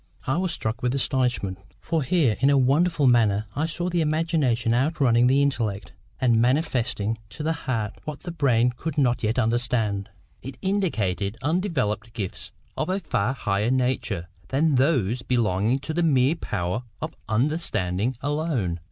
'" I was struck with astonishment. For here, in a wonderful manner, I saw the imagination outrunning the intellect, and manifesting to the heart what the brain could not yet understand. It indicated undeveloped gifts of a far higher nature than those belonging to the mere power of understanding alone.